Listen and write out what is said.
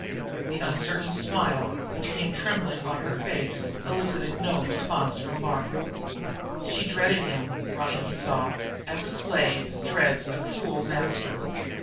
The uncertain smile, which came trembling on her face, elicited no response from Mark. She dreaded him, Ronicky saw, as a slave dreads a cruel master.